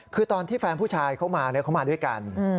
คือตอนที่แฟนผู้ชายเขามาเขามาด้วยกัน